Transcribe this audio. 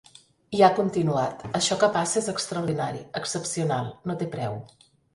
I ha continuat: Això que passa és extraordinari, excepcional, no té preu.